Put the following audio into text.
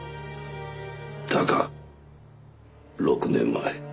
だが６年前。